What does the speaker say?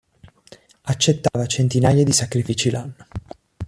Accettava centinaia di sacrifici l'anno.